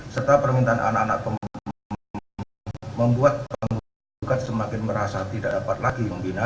serta permintaan anak anak membuat semakin merasa tidak dapat lagi membina